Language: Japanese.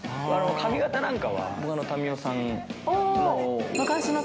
髪形なんかは奥田民生さんの。